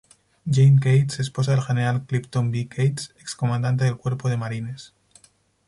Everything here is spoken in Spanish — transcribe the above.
Jane Cates, esposa del general Clifton B. Cates ex Comandante del Cuerpo de Marines.